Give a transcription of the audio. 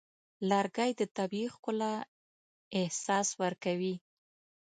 لرګی د طبیعي ښکلا احساس ورکوي.